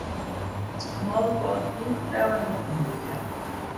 Molt colpit per la notícia.